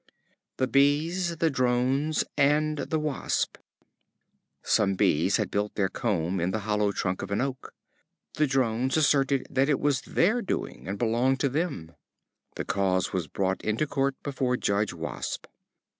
The Bees, the Drones, and the Wasp. Some Bees had built their comb in the hollow trunk of an oak. The Drones asserted that it was their doing, and belonged to them. The cause was brought into court before Judge Wasp.